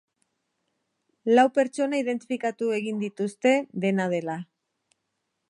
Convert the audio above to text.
Lau pertsona identifikatu egin dituzte, dena dela.